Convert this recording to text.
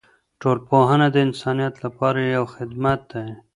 ټولنپوهنه د انسانیت لپاره یو خدمت دی.